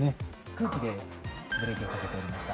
空気でブレーキをかけておりました。